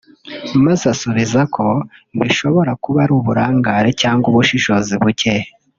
maze asubiza ko bishobora kuba ari uburangare cyangwa ubushishozi buke